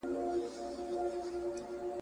چي شهید مي په لحد کي په نازیږي ,